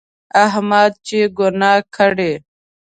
احمد چې ګناه کړي،